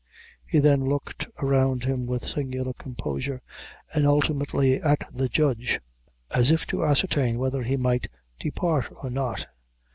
He then looked around him with singular composure, and ultimately at the judge, as if to ascertain whether he might depart or not.